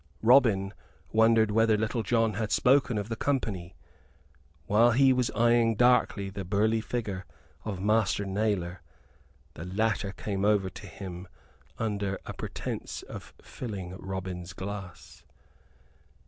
Robin wondered whether Little John had spoken of the company. While he was eyeing darkly the burly figure of Master Nailor, the latter came over to him under a pretence of filling Robin's glass.